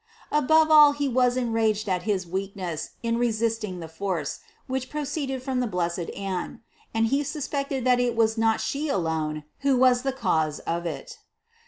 Above all he was enraged at his weakness in resisting the force, which proceeded from the blessed Anne and he suspected that it was not she alone, who was the cause of it.